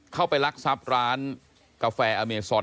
เข้าไปรักทรัพย์ร้านกาแฟอเมซอน